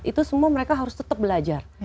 itu semua mereka harus tetap belajar